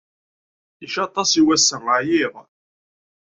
Icaṭ-as i wassa, ɛyiɣ.